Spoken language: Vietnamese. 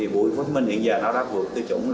bụi vứt minh hiện giờ đã vượt tư chủng